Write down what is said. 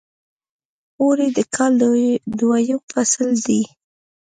اوړی د کال دویم فصل دی .